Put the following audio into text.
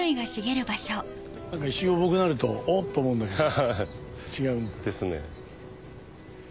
一瞬重くなると「おっ」と思うんだけど違う。